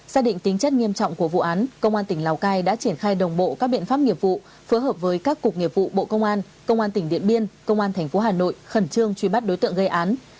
xác định tính chất nghiêm trọng của vụ án công an tỉnh lào cai đã triển khai đồng bộ các biện pháp nghiệp vụ phối hợp với các cục nghiệp vụ bộ công an công an tỉnh điện biên công an tp hà nội khẩn trương truy bắt đối tượng gây án